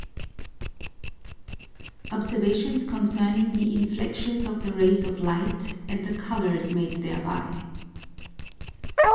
_ _Observations concerning the Inflexions of the Rays of Light, and the Colours made thereby.